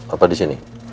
apa di sini